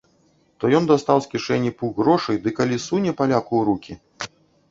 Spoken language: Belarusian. То ён дастаў з кішэні пук грошай ды калі суне паляку ў рукі!